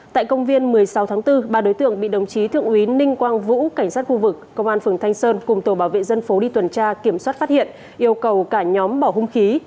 tại công viên một mươi sáu tháng bốn ba đối tượng bị đồng chí thượng úy ninh quang vũ cảnh sát khu vực công an phường thanh sơn cùng tổ bảo vệ dân phố đi tuần tra kiểm soát phát hiện yêu cầu cả nhóm bỏ hung khí